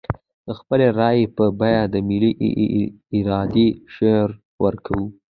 د خپلې رايې په بيه د ملي ارادې شعار ورکوو.